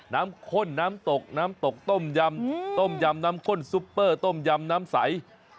ข้นน้ำตกน้ำตกต้มยำต้มยำน้ำข้นซุปเปอร์ต้มยำน้ำใส